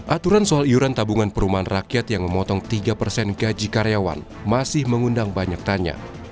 aturan soal iuran tabungan perumahan rakyat yang memotong tiga persen gaji karyawan masih mengundang banyak tanya